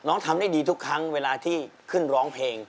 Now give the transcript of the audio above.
ทำได้ดีทุกครั้งเวลาที่ขึ้นร้องเพลง